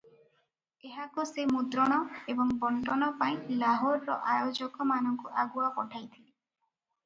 ଏହାକୁ ସେ ମୁଦ୍ରଣ ଏବଂ ବଣ୍ଟନ ପାଇଁ ଲାହୋରର ଆୟୋଜକମାନଙ୍କୁ ଆଗୁଆ ପଠାଇଥିଲେ ।